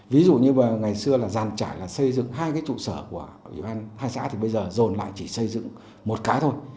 ví dụ như ngày xưa là giàn trải là xây dựng hai cái trụ sở của ủy ban hai xã thì bây giờ dồn lại chỉ xây dựng một cái thôi